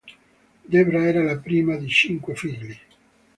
Debra era la prima di cinque figli.